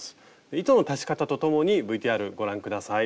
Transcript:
糸の足し方とともにＶＴＲご覧下さい。